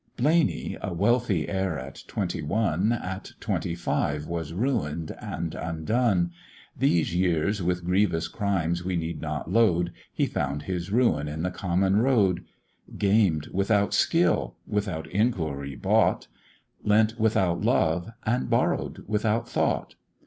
Blaney, a wealthy heir at twenty one, At twenty five was ruin'd and undone, These years with grievous crimes we need not load, He found his ruin in the common road! Gamed without skill, without inquiry bought, Lent without love, and borrow'd without thought.